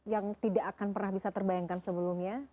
yang tidak akan pernah bisa terbayangkan sebelumnya